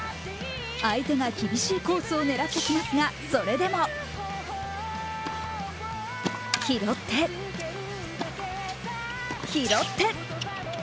相手が厳しいコースを狙ってきますが、それでも拾って、拾って。